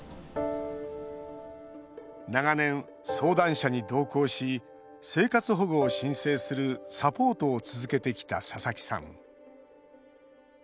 長年、相談者に同行し生活保護を申請するサポートを続けてきた佐々木さん。